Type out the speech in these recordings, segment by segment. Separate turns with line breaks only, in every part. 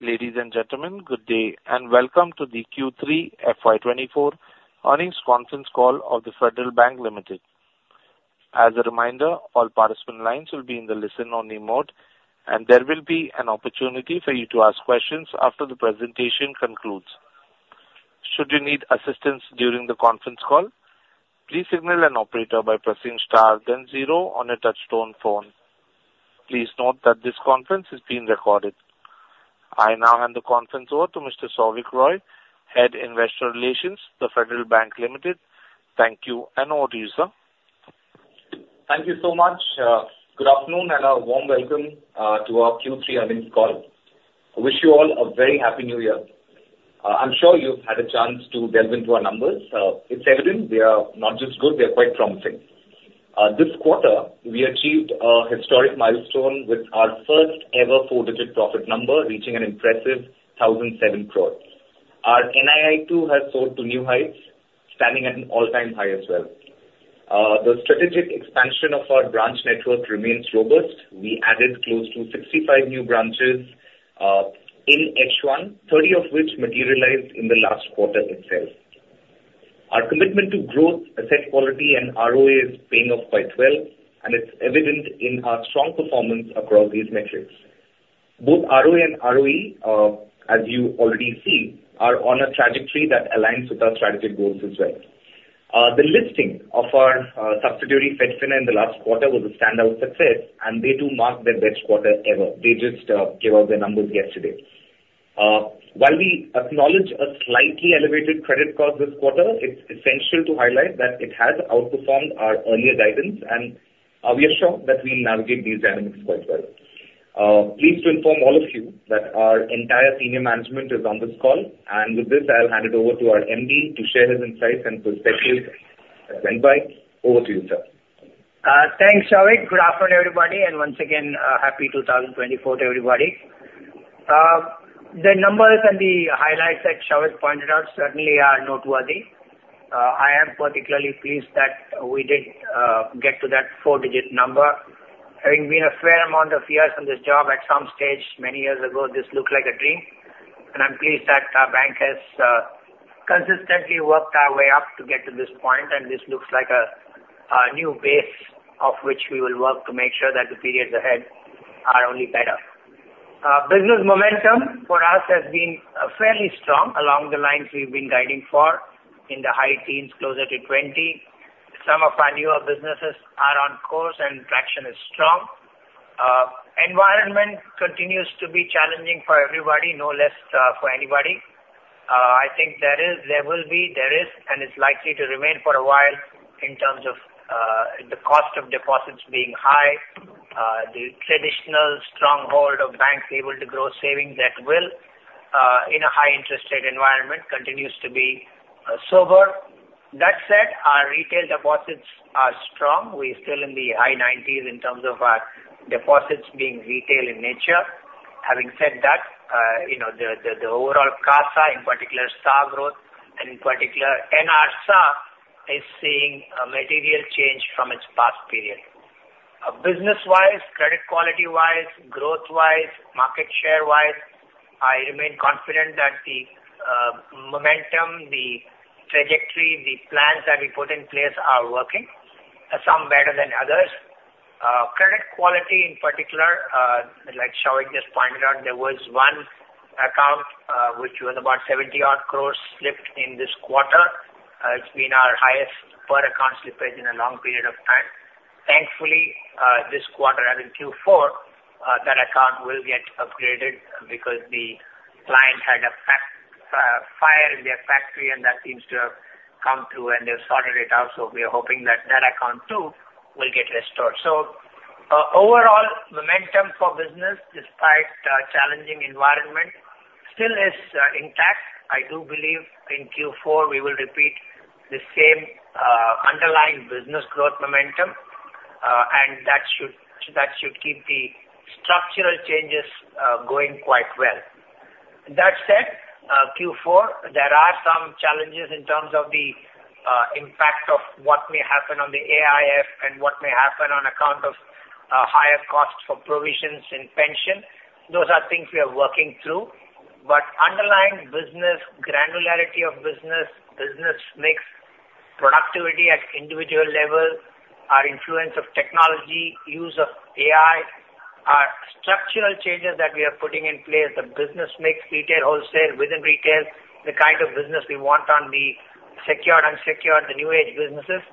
Ladies and gentlemen, good day, and welcome to the Q3 FY24 Earnings Conference Call of the Federal Bank Limited. As a reminder, all participant lines will be in the listen-only mode, and there will be an opportunity for you to ask questions after the presentation concludes. Should you need assistance during the conference call, please signal an operator by pressing star then zero on a touchtone phone. Please note that this conference is being recorded. I now hand the conference over to Mr. Souvik Roy, Head, Investor Relations, the Federal Bank Limited. Thank you, and over to you, sir.
Thank you so much. Good afternoon, and a warm welcome to our Q3 Earnings Call. I wish you all a very Happy New Year. I'm sure you've had a chance to delve into our numbers. It's evident they are not just good, they are quite promising. This quarter, we achieved a historic milestone with our first-ever four-digit profit number, reaching an impressive 1,007 crore. Our NII, too, has soared to new heights, standing at an all-time high as well. The strategic expansion of our branch network remains robust. We added close to 65 new branches in H1, 30 of which materialized in the last quarter itself. Our commitment to growth, asset quality, and ROA is paying off quite well, and it's evident in our strong performance across these metrics. Both ROA and ROE, as you already see, are on a trajectory that aligns with our strategic goals as well. The listing of our subsidiary, Fedfina, in the last quarter was a standout success, and they do mark their best quarter ever. They just gave out their numbers yesterday. While we acknowledge a slightly elevated credit cost this quarter, it's essential to highlight that it has outperformed our earlier guidance, and we are sure that we'll navigate these dynamics quite well. Pleased to inform all of you that our entire senior management is on this call, and with this, I'll hand it over to our MD to share his insights and perspectives as well. Over to you, sir.
Thanks, Souvik. Good afternoon, everybody, and once again, happy 2024 to everybody. The numbers and the highlights that Souvik pointed out certainly are noteworthy. I am particularly pleased that we did get to that four-digit number. Having been a fair amount of years on this job, at some stage many years ago, this looked like a dream, and I'm pleased that our bank has consistently worked our way up to get to this point, and this looks like a new base of which we will work to make sure that the periods ahead are only better. Business momentum for us has been fairly strong, along the lines we've been guiding for in the high teens, closer to 20. Some of our newer businesses are on course and traction is strong. Environment continues to be challenging for everybody, no less, for anybody. I think there is, there will be, there is, and it's likely to remain for a while in terms of, the cost of deposits being high, the traditional stronghold of banks able to grow savings that will, in a high interest rate environment, continues to be, sober. That said, our retail deposits are strong. We're still in the high nineties in terms of our deposits being retail in nature. Having said that, you know, the overall CASA, in particular, SA growth, and in particular, NRSA, is seeing a material change from its past period. Business-wise, credit quality-wise, growth-wise, market share-wise, I remain confident that the, momentum, the trajectory, the plans that we put in place are working, some better than others. Credit quality, in particular, like Souvik just pointed out, there was one account, which was about 70-odd crore, slipped in this quarter. It's been our highest per account slippage in a long period of time. Thankfully, this quarter, as in Q4, that account will get upgraded because the client had a fire in their factory, and that seems to have come through and they've sorted it out, so we are hoping that that account, too, will get restored. Overall, momentum for business, despite a challenging environment, still is intact. I do believe in Q4, we will repeat the same underlying business growth momentum, and that should, that should keep the structural changes going quite well. That said, Q4, there are some challenges in terms of the, impact of what may happen on the AIF and what may happen on account of, higher costs for provisions in pension. Those are things we are working through. But underlying business, granularity of business, business mix, productivity at individual level, our influence of technology, use of AI, our structural changes that we are putting in place, the business mix, retail, wholesale, within retail, the kind of business we want on the secured, unsecured, the new age businesses.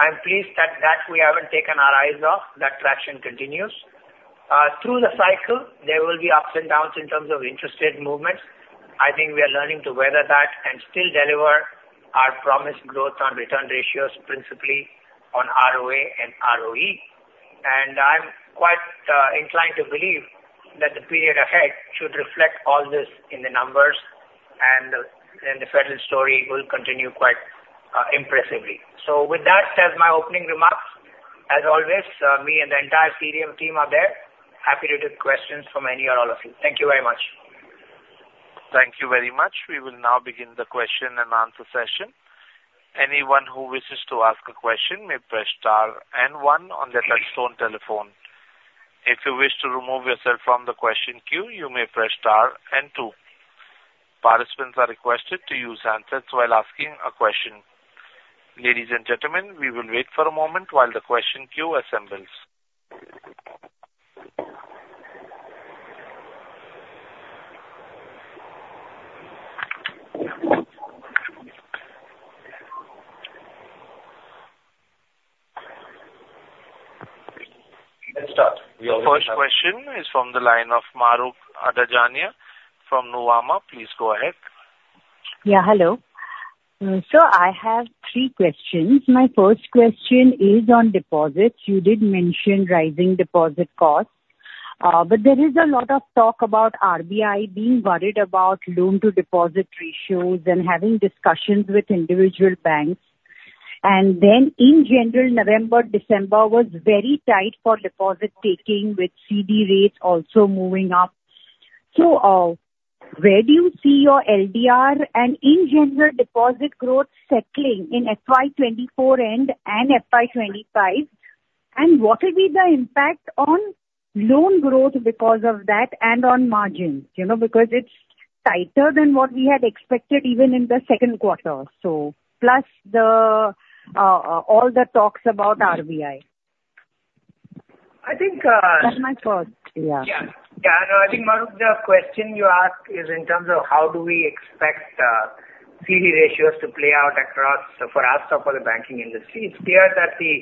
I'm pleased that, that we haven't taken our eyes off, that traction continues. Through the cycle, there will be ups and downs in terms of interest rate movements. I think we are learning to weather that and still deliver our promised growth on return ratios, principally on ROA and ROE. I'm quite inclined to believe that the period ahead should reflect all this in the numbers, and the Federal story will continue quite impressively. With that, as my opening remarks, as always, me and the entire senior team are there, happy to take questions from any or all of you. Thank you very much.
Thank you very much. We will now begin the question and answer session. Anyone who wishes to ask a question may press star and one on their touchtone telephone. If you wish to remove yourself from the question queue, you may press star and two. Participants are requested to use handsets while asking a question. Ladies and gentlemen, we will wait for a moment while the question queue assembles. Let's start. The first question is from the line of Mahrukh Adajania from Nuvama. Please go ahead.
Yeah, hello. So I have three questions. My first question is on deposits. You did mention rising deposit costs, but there is a lot of talk about RBI being worried about loan-to-deposit ratios and having discussions with individual banks. And then in general, November, December was very tight for deposit taking, with CD rates also moving up. So, where do you see your LDR and in general, deposit growth settling in FY 2024 end and FY 2025? And what will be the impact on loan growth because of that and on margins? You know, because it's tighter than what we had expected, even in the Q2. So plus the all the talks about RBI.
I think.
That's my first. Yeah.
Yeah. Yeah, no, I think, Mahrukh, the question you ask is in terms of how do we expect CD ratios to play out across for us or for the banking industry. It's clear that the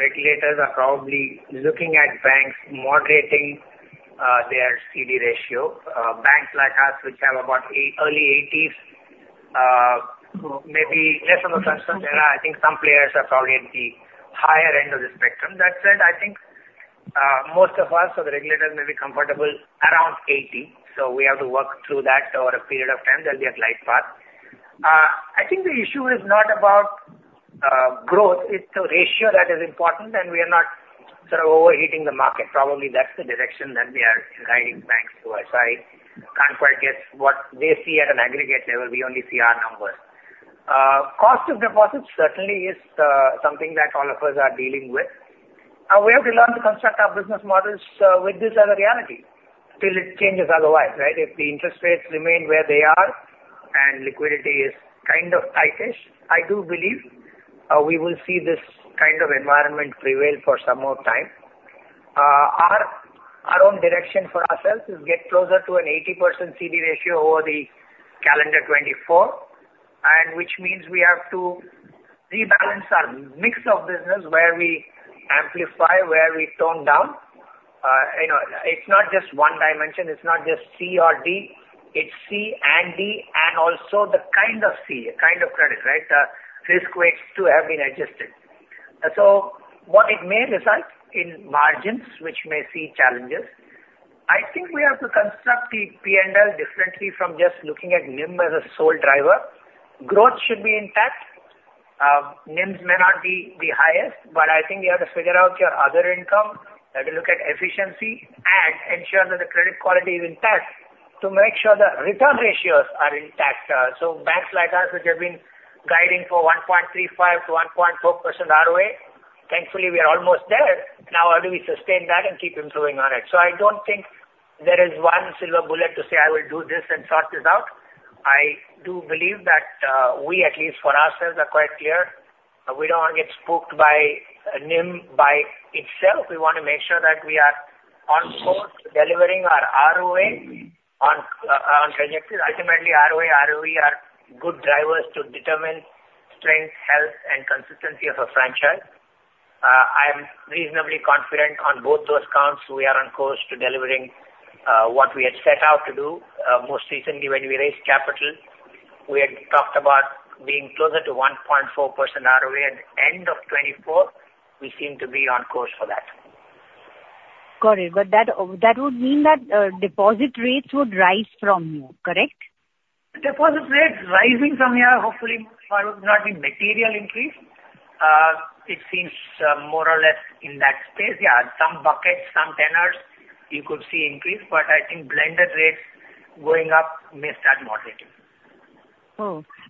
regulators are probably looking at banks moderating their CD ratio. Banks like us, which have about 80, early 80s, maybe less of a concern. I think some players are probably at the higher end of the spectrum. That said, I think most of us or the regulators may be comfortable around 80, so we have to work through that over a period of time. There'll be a glide path. I think the issue is not about growth, it's the ratio that is important, and we are not sort of overheating the market. Probably that's the direction that we are guiding banks towards. I can't quite guess what they see at an aggregate level. We only see our numbers. Cost of deposits certainly is something that all of us are dealing with. We have to learn to construct our business models with this as a reality, till it changes otherwise, right? If the interest rates remain where they are and liquidity is kind of tight-ish, I do believe we will see this kind of environment prevail for some more time. Our own direction for ourselves is get closer to an 80% CD ratio over the calendar 2024, and which means we have to rebalance our mix of business, where we amplify, where we tone down. You know, it's not just one dimension, it's not just C or D, it's C and D, and also the kind of C, kind of credit, right? The risk weights to have been adjusted. So what it may result in margins, which may see challenges. I think we have to construct the P&L differently from just looking at NIM as a sole driver. Growth should be intact. NIMS may not be the highest, but I think you have to figure out your other income, you have to look at efficiency and ensure that the credit quality is intact to make sure the return ratios are intact. So banks like us, which have been guiding for 1.35% to 1.4% ROA, thankfully, we are almost there. Now, how do we sustain that and keep improving on it? So I don't think there is one silver bullet to say I will do this and sort this out. I do believe that, we, at least for ourselves, are quite clear. We don't want to get spooked by NIM by itself. We want to make sure that we are on course delivering our ROA on trajectory. Ultimately, ROA, ROE are good drivers to determine strength, health, and consistency of a franchise. I am reasonably confident on both those counts. We are on course to delivering what we had set out to do. Most recently, when we raised capital, we had talked about being closer to 1.4% ROA at the end of 2024. We seem to be on course for that.
Got it. But that would mean that deposit rates would rise from you, correct?
Deposit rates rising from here, hopefully for not a material increase. It seems more or less in that space. Yeah, some buckets, some tenors, you could see increase, but I think blended rates going up may start moderating.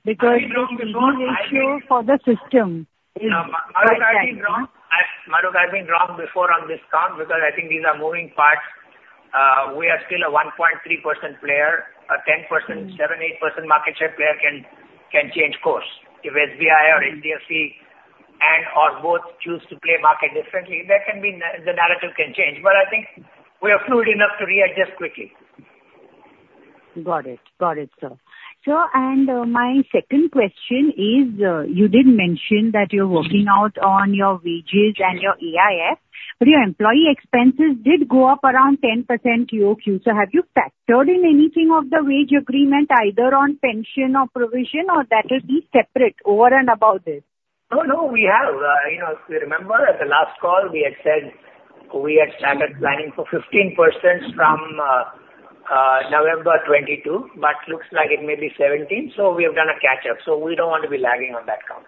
Because it's an issue for the system.
Yeah, Mahrukh, I've been wrong. Mahrukh, I've been wrong before on this count because I think these are moving parts. We are still a 1.3% player. A 10%, 7% to 8% market share player can, can change course. If SBI or HDFC and/or both choose to play market differently, there can be the narrative can change, but I think we are fluid enough to readjust quickly.
Got it, sir. My second question is, you did mention that you're working out on your wages and your AIF, but your employee expenses did go up around 10% Q-o-Q. So have you factored in anything of the wage agreement, either on pension or provision, or that will be separate over and above this?
No, we have. You know, if you remember at the last call, we had said we had started planning for 15% from November 2022, but looks like it may be 17, so we have done a catch-up. So we don't want to be lagging on that count.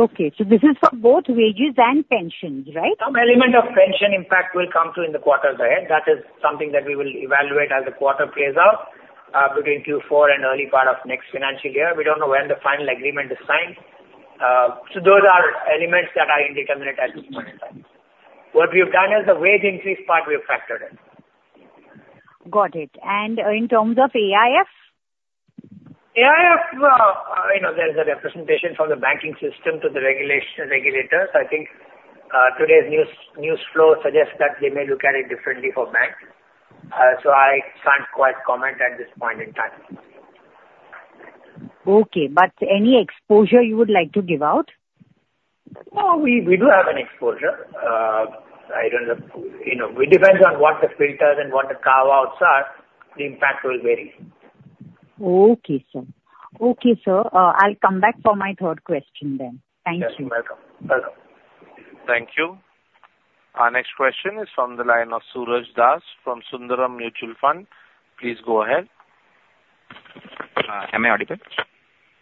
Okay, so this is for both wages and pensions, right?
Some element of pension, in fact, will come through in the quarters ahead. That is something that we will evaluate as the quarter plays out, between Q4 and early part of next financial year. We don't know when the final agreement is signed. So those are elements that are indeterminate at this point in time. What we have done is the wage increase part, we have factored in.
Got it. And, in terms of AIF?
AIF, I know there's a representation from the banking system to the regulators. I think, today's news, news flow suggests that they may look at it differently for banks. So I can't quite comment at this point in time.
Okay. But any exposure you would like to give out?
No, we do have an exposure. I don't know, you know, it depends on what the filters and what the carve outs are, the impact will vary.
Okay, sir. I'll come back for my third question then. Thank you.
Yes, welcome.
Thank you. Our next question is from the line of Suraj Das from Sundaram Mutual Fund. Please go ahead.
Am I audible?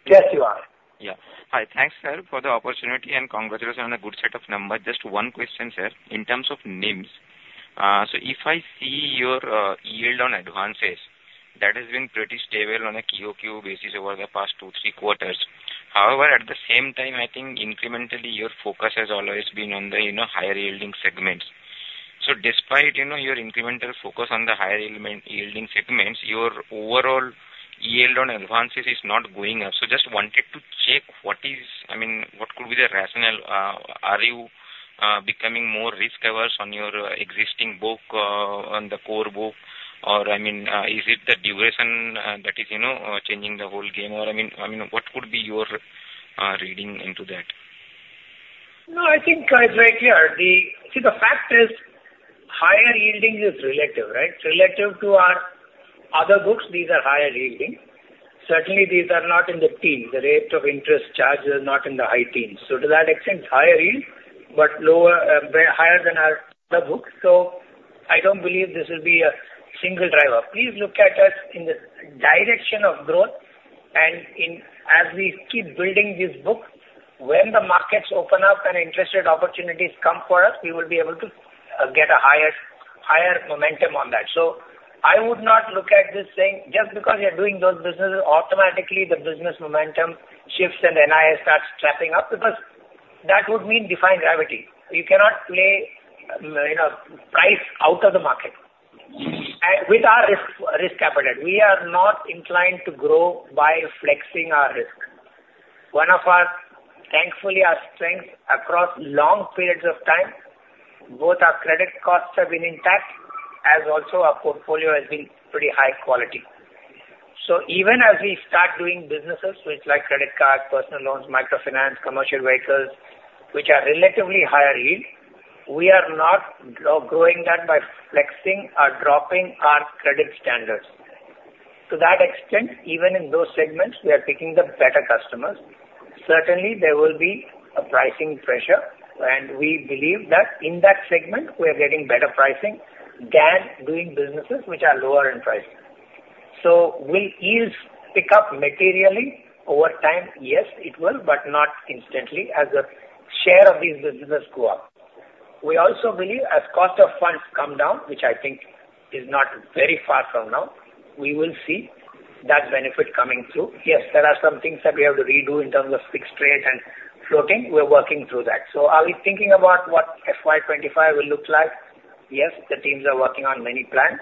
Yes, you are.
Yeah. Hi, thanks, sir, for the opportunity, and congratulations on a good set of numbers. Just one question, sir. In terms of NIMS, so if I see your yield on advances, that has been pretty stable on a Q-o-Q basis over the past two, three quarters. However, at the same time, I think incrementally, your focus has always been on the, you know, higher-yielding segments. So despite, you know, your incremental focus on the higher-yielding segments, your overall yield on advances is not going up. So just wanted to check, what could be the rationale? Are you becoming more risk-averse on your existing book, on the core book? Or, I mean, is it the duration that is, you know, changing the whole game? Or, I mean, what could be your reading into that?
I think I agree here. The fact is higher yielding is relative, right? Relative to our other books, these are higher yielding. Certainly, these are not in the teens. The rate of interest charged is not in the high teens. So to that extent, higher yield, but lower, higher than our other books. So I don't believe this will be a single driver. Please look at us in the direction of growth and in, as we keep building these books, when the markets open up and interested opportunities come for us, we will be able to, get a higher, higher momentum on that. So I would not look at this saying just because we are doing those businesses, automatically the business momentum shifts and NIIs starts ramping up, because that would mean defying gravity. You cannot play, you know, price out of the market. And with our risk appetite, we are not inclined to grow by flexing our risk. One of our, thankfully, our strengths across long periods of time, both our credit costs have been intact, as also our portfolio has been pretty high quality. So even as we start doing businesses with like credit card, personal loans, microfinance, commercial vehicles, which are relatively higher yield, we are not growing that by flexing or dropping our credit standards. To that extent, even in those segments, we are picking the better customers. Certainly, there will be a pricing pressure, and we believe that in that segment, we are getting better pricing than doing businesses which are lower in price. So will yields pick up materially over time? Yes, it will, but not instantly as the share of these businesses go up. We also believe as cost of funds come down, which I think is not very far from now, we will see that benefit coming through. Yes, there are some things that we have to redo in terms of fixed rate and floating. We're working through that. So are we thinking about what FY 2025 will look like? Yes, the teams are working on many plans,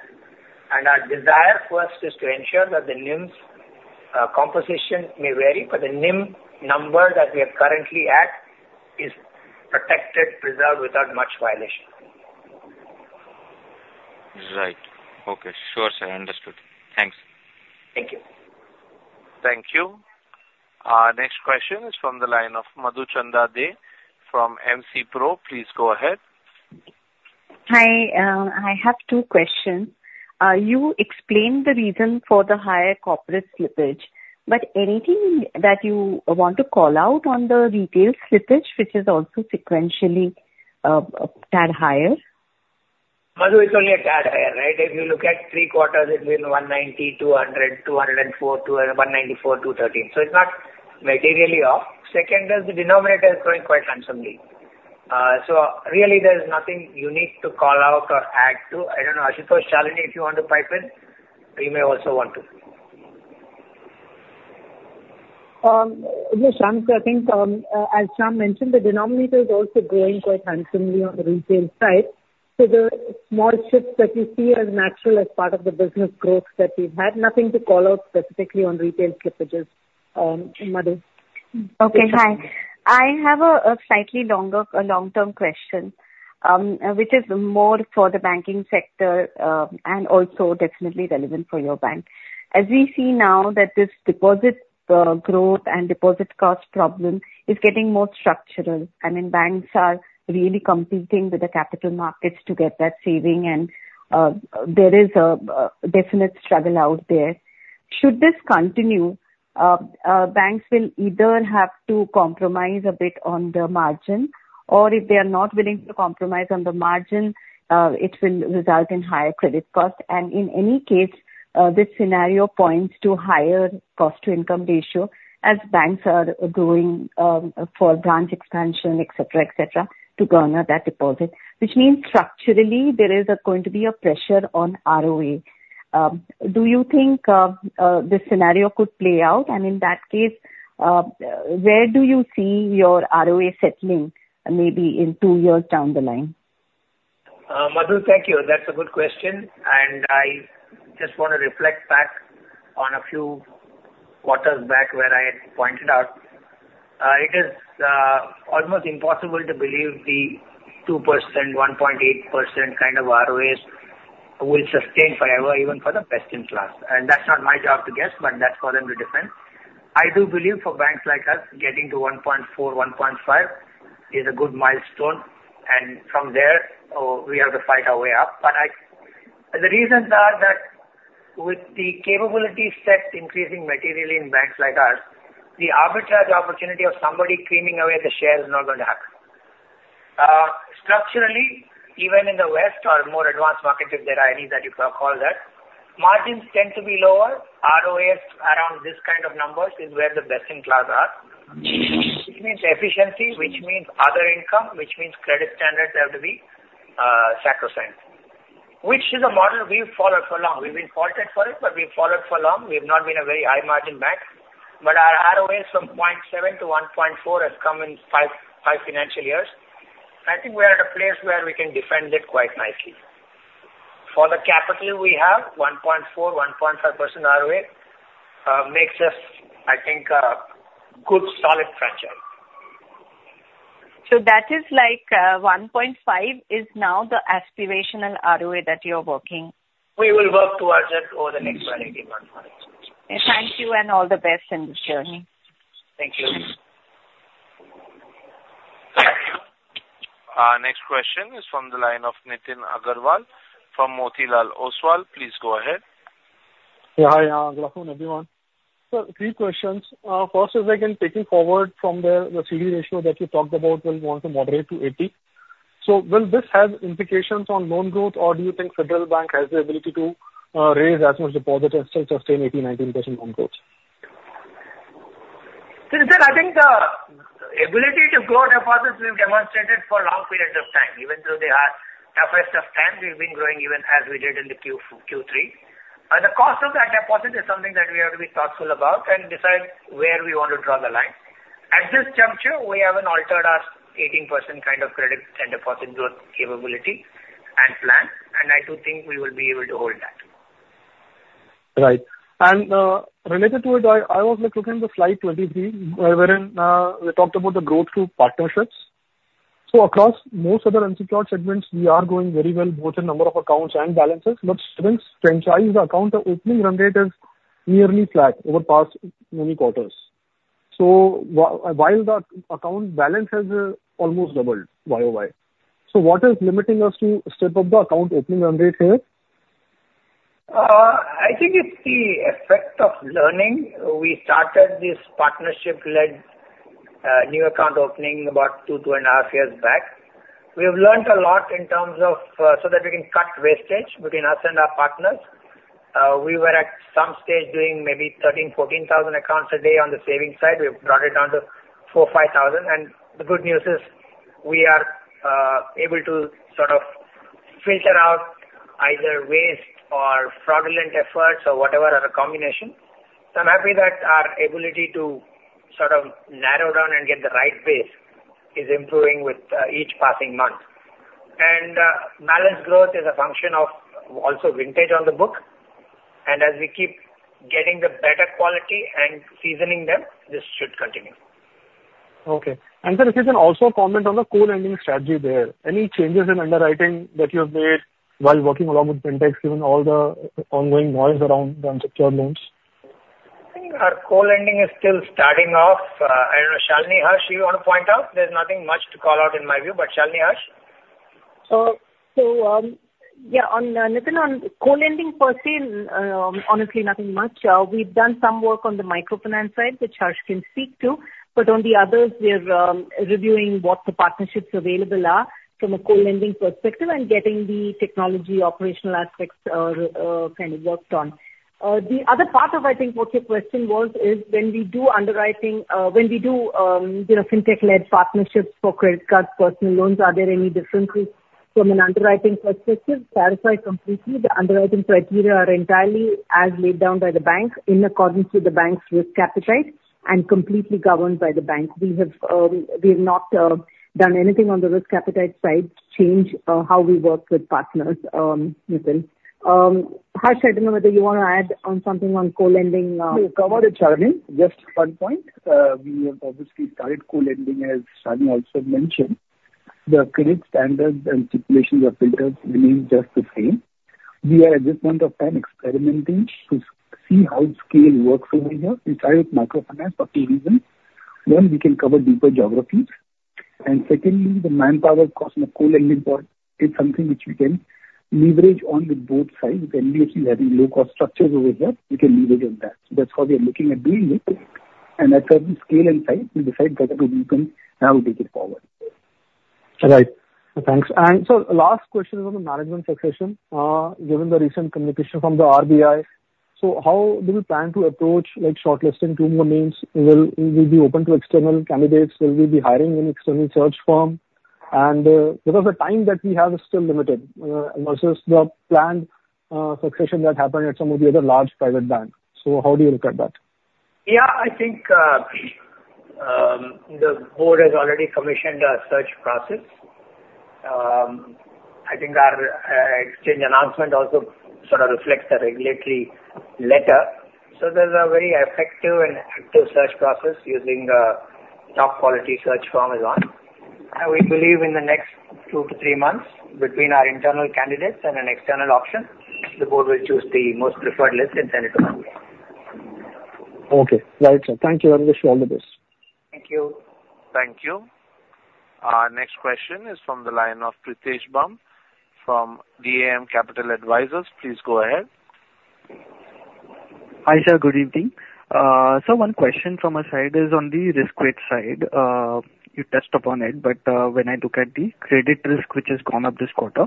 and our desire first is to ensure that the NIMS, composition may vary, but the NIM number that we are currently at is protected, preserved without much violation.
Right. Okay. Sure, sir. Understood. Thanks.
Thank you.
Thank you. Our next question is from the line of Madhuchanda Dey from MC Pro. Please go ahead.
Hi, I have two questions. You explained the reason for the higher corporate slippage, but anything that you want to call out on the retail slippage, which is also sequentially tad higher?
Madhu, it's only a tad higher, right? If you look at three quarters, it's been 190, 200, 204, 194, 213. So it's not materially off. Second, as the denominator is growing quite handsomely. So really there is nothing unique to call out or add to. I don't know, Ashutosh, Shalini, if you want to pipe in, you may also want to.
Yes, Shyam, I think, as Shyam mentioned, the denominator is also growing quite handsomely on the retail side. So the small shifts that we see as natural, as part of the business growth that we've had, nothing to call out specifically on retail slippages, Madhu.
Okay, hi. I have a slightly longer long-term question, which is more for the banking sector, and also definitely relevant for your bank. As we see now that this deposit growth and deposit cost problem is getting more structural. I mean, banks are really competing with the capital markets to get that saving, and there is a definite struggle out there. Should this continue, banks will either have to compromise a bit on the margin, or if they are not willing to compromise on the margin, it will result in higher credit cost. And in any case, this scenario points to higher cost-to-income ratio as banks are going for branch expansion, et cetera, et cetera, to garner that deposit. Which means structurally there is going to be a pressure on ROA. Do you think this scenario could play out? And in that case, where do you see your ROA settling, maybe in two years down the line?
Madhu, thank you. That's a good question, and I just want to reflect back on a few quarters back where I had pointed out, it is, almost impossible to believe the 2%, 1.8% kind of ROAs will sustain forever, even for the best-in-class. And that's not my job to guess, but that's for them to defend. I do believe for banks like us, getting to 1.4%, 1.5% is a good milestone, and from there, we have to fight our way up. But the reasons are that with the capability set increasing materially in banks like ours, the arbitrage opportunity of somebody creaming away the share is not going to happen. Structurally, even in the West or more advanced markets, if there are any that you can call that, margins tend to be lower. ROAs around this kind of numbers is where the best-in-class are. Which means efficiency, which means other income, which means credit standards have to be, sacrosanct. Which is a model we've followed for long. We've been faulted for it, but we've followed for long. We've not been a very high-margin bank, but our ROAs from 0.7% to 1.4% has come in five financial years. I think we are at a place where we can defend it quite nicely. For the capital we have, 1.4%, 1.5% ROA makes us, I think, a good, solid franchise.
That is like, 1.5% is now the aspirational ROA that you're working?
We will work towards it over the next 18 months.
Thank you and all the best in this journey.
Thank you.
Next question is from the line of Nitin Aggarwal from Motilal Oswal. Please go ahead.
Yeah, hi. Good afternoon, everyone. So three questions. First is again, taking forward from the CD ratio that you talked about will want to moderate to 80. So will this have implications on loan growth, or do you think Federal Bank has the ability to raise as much deposit as such the same 18% to 19% loan growth?
So Nitin, I think the ability to grow deposits, we've demonstrated for long periods of time. Even through the hardest of times, we've been growing even as we did in the Q3. The cost of that deposit is something that we have to be thoughtful about and decide where we want to draw the line. At this juncture, we haven't altered our 18% kind of credit and deposit growth capability and plan, and I do think we will be able to hold that.
Right. And, related to it, I, I was, like, looking at the slide 23, wherein, we talked about the growth through partnerships. So across most of the unsecured segments, we are growing very well, both in number of accounts and balances, but since franchise, the account opening run rate is nearly flat over past many quarters. So while the account balance has, almost doubled Y-o-Y. So what is limiting us to step up the account opening run rate here?
I think it's the effect of learning. We started this partnership-led new account opening about two to 2.5 years back. We have learned a lot in terms of so that we can cut wastage between us and our partners. We were at some stage doing maybe 13,000, 14,000 accounts a day on the savings side. We've brought it down to 4,000, 5,000, and the good news is, we are able to sort of filter out either waste or fraudulent efforts or whatever other combination. So I'm happy that our ability to sort of narrow down and get the right base is improving with each passing month. And balance growth is a function of also vintage on the book, and as we keep getting the better quality and seasoning them, this should continue.
Okay. And sir, if you can also comment on the co-lending strategy there? Any changes in underwriting that you have made while working along with FinTech, given all the ongoing noise around the unsecured loans?
I think our co-lending is still starting off. I don't know, Shalini, Harsh, do you want to point out? There's nothing much to call out in my view, but Shalini, Harsh?
So, yeah, Nitin, on co-lending per se, honestly, nothing much. We've done some work on the microfinance side, which Harsh can speak to, but on the others, we're reviewing what the partnerships available are from a co-lending perspective and getting the technology, operational aspects kind of worked on. The other part of, I think, what your question was, is when we do underwriting, when we do, you know, fintech-led partnerships for credit cards, personal loans, are there any differences from an underwriting perspective? Clarify completely, the underwriting criteria are entirely as laid down by the bank in accordance with the bank's risk appetite and completely governed by the bank. We have, we have not done anything on the risk appetite side to change how we work with partners, Nitin. Harsh, I don't know whether you want to add on something on co-lending?
Covered it, Shalini. Just one point. We have obviously started co-lending, as Shalini also mentioned. The credit standards and stipulations or filters remain just the same. We are, at this point of time, experimenting to see how scale works over here. We tried microfinance for a few reasons. One, we can cover deeper geographies. Secondly, the manpower cost in the co-lending part is something which we can leverage on with both sides. With NBFC having low cost structures over there, we can leverage on that. So that's how we are looking at doing it, and as per the scale and size, we decide whether to deepen, and how we take it forward.
Right. Thanks. And so the last question is on the management succession. Given the recent communication from the RBI, so how do you plan to approach, like, shortlisting two more names? Will, will we be open to external candidates? Will we be hiring an external search firm? And because the time that we have is still limited versus the planned succession that happened at some of the other large private banks. So how do you look at that?
Yeah, I think, the board has already commissioned a search process. I think our, exchange announcement also sort of reflects the regulatory letter. So there's a very effective and active search process using a top quality search firm is on. And we believe in the next two to three months, between our internal candidates and an external option, the board will choose the most preferred list and send it to them.
Okay. Right, sir. Thank you, and wish you all the best.
Thank you.
Thank you. Our next question is from the line of Pritesh Bumb from DAM Capital Advisors. Please go ahead.
Hi, sir. Good evening. So one question from my side is on the risk weight side. You touched upon it, but when I look at the credit risk, which has gone up this quarter,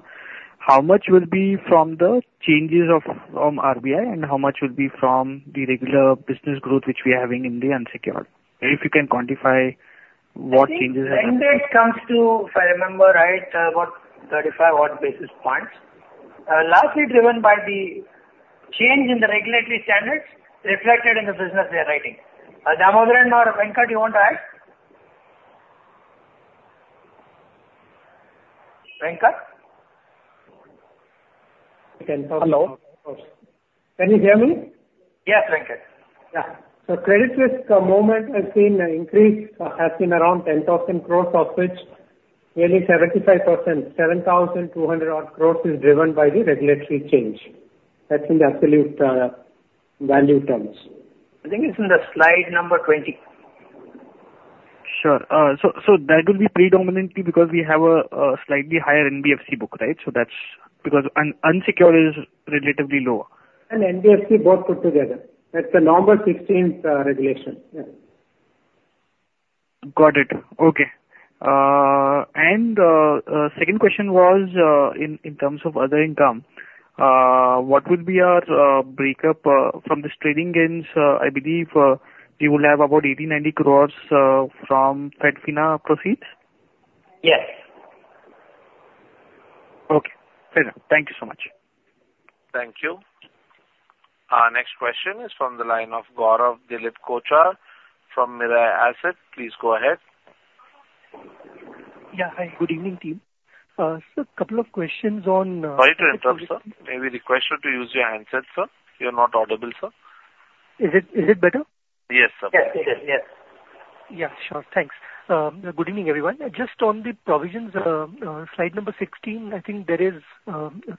how much will be from the changes from RBI and how much will be from the regular business growth, which we are having in the unsecured? If you can quantify what changes have-
I think when it comes to, if I remember right, about 35 odd basis points, largely driven by the change in the regulatory standards reflected in the business we are writing. Damodaran or Venkat, you want to add? Venkat? Hello. Can you hear me? Yes, Venkat.
Yeah. So credit risk moment has been increased, has been around 10,000 crore, of which nearly 75%, 7,200 odd crore, is driven by the regulatory change. That's in the absolute value terms. I think it's in the slide number 20.
Sure. So, that will be predominantly because we have a slightly higher NBFC book, right? So that's because unsecured is relatively low.
NBFC both put together. That's the November 16th regulation. Yes.
Got it. Okay. And second question was, in terms of other income, what would be our breakup from this trading gains? I believe we will have about 80 to 90 crores from Fedfina proceeds.
Yes.
Okay. Fair enough. Thank you so much.
Thank you. Our next question is from the line of Gaurav Kochar from Mirae Asset. Please go ahead.
Yeah. Hi, good evening, team. So a couple of questions on,
Sorry to interrupt, sir. May we request you to use your handset, sir? You're not audible, sir.
Is it better?
Yes, sir.
Yes.
Yeah, sure. Thanks. Good evening, everyone. Just on the provisions, slide number 16, I think there is...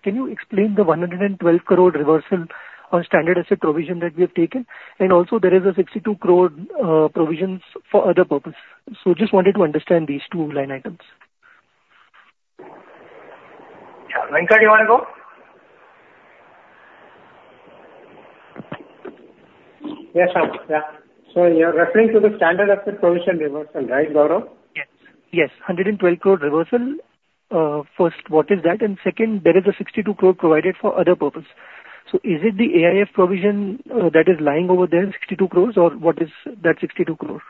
Can you explain the 112 crore reversal on standard asset provision that we have taken? And also there is a 62 crore, provisions for other purpose. So just wanted to understand these two line items.
Yeah. Venkat, you want to go?
Yes, sir. Yeah. So you're referring to the standard asset provision reversal, right, Gaurav?
Yes, 112 crore reversal. First, what is that? And second, there is a 62 crore provided for other purpose. So is it the AIF provision that is lying over there, 62 crores, or what is that 62 crore?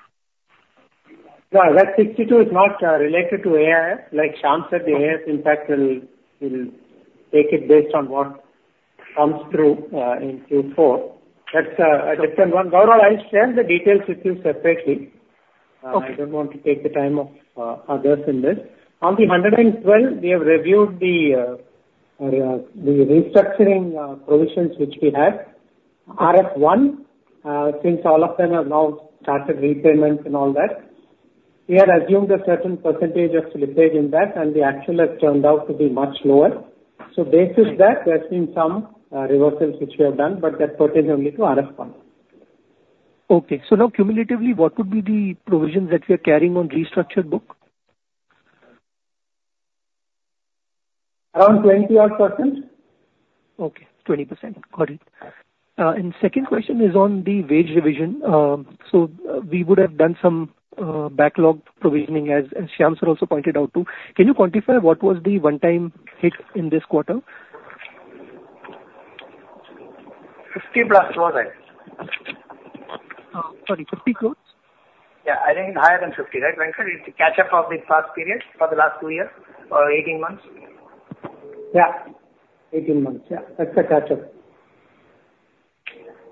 No, that 62 is not related to AIF. Like Shyam said, the AIF impact will, we'll take it based on what comes through in Q4. That's a different one. Gaurav, I'll share the details with you separately.
Okay.
I don't want to take the time of others in this. On the 112, we have reviewed the restructuring provisions which we had. RF1, since all of them have now started repayments and all that, we had assumed a certain percentage of slippage in that, and the actual has turned out to be much lower. So based on that, there's been some reversals which we have done, but that pertains only to RF1.
Okay. So now, cumulatively, what would be the provisions that we are carrying on restructured book?
Around 20-odd percent.
Okay, 20%. Got it. And second question is on the wage revision. So we would have done some backlog provisioning, as Shyam sir also pointed out, too. Can you quantify what was the one-time hit in this quarter?
50+ crore, I guess.
Sorry, 50 crore?
Yeah, I think higher than 50, right, Venkat? It's a catch-up of the past period, for the last 2 years or 18 months.
Yeah. 18 months. Yeah, that's the catch-up.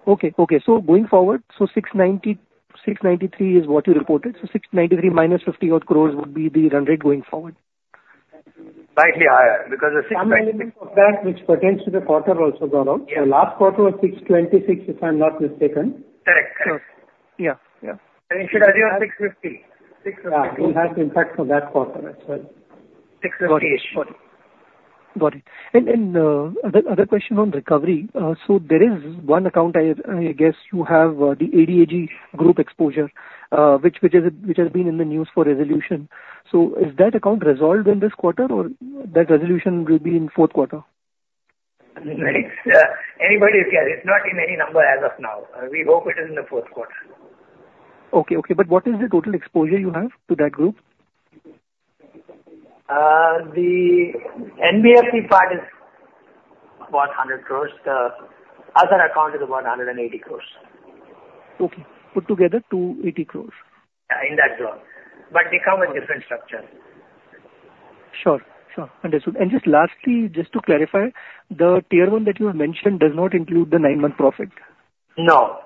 Okay, so going forward, 690, 693 is what you reported. So 693 minus 50 odd crores would be the run rate going forward.
Slightly higher, because some element of that which pertains to the quarter also, Gaurav. Yeah. The last quarter was 626, if I'm not mistaken. Correct, correct.
Yeah.
You should add 650. Yeah, it has impact for that quarter as well. INR 650-ish.
Got it. And, and, other, other question on recovery. So there is one account I, I guess you have, the ADAG group exposure, which, which is, which has been in the news for resolution. So is that account resolved in this quarter or that resolution will be in Q4?
Right. Anybody's guess, it's not in any number as of now. We hope it is in the Q4.
Okay, but what is the total exposure you have to that group?
The NBFC part is about 100 crore. The other account is about 180 crore.
Okay. Put together 280 crore.
Yeah, in that zone, but they come with different structure.
Sure. Understood. Just lastly, just to clarify, the Tier-I that you have mentioned does not include the nine-month profit?
No,